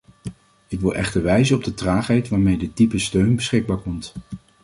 Ik wil echter wijzen op de traagheid waarmee dit type steun beschikbaar komt.